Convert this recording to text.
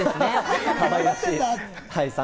かわいらしい、さん